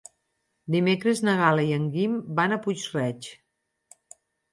Dimecres na Gal·la i en Guim van a Puig-reig.